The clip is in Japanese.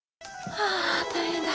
ああ大変だ。